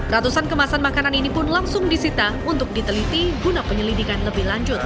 ratusan kemasan makanan ini pun langsung disita untuk diteliti guna penyelidikan lebih lanjut